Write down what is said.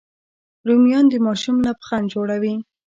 رومیان د ماشوم لبخند جوړوي